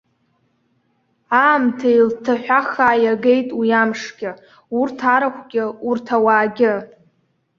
Аамҭа илҭаҳәахаа иагеит уи амшгьы, урҭ арахәгьы, урҭ ауаагьы.